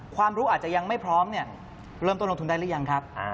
ความรู้อาจจะยังไม่พร้อมเนี่ยเริ่มต้นลงทุนได้หรือยังครับ